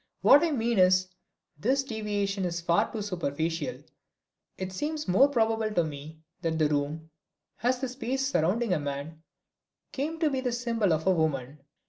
What I mean is, this derivation is far too superficial. It seems more probable to me that the room, as the space surrounding man, came to be the symbol of woman.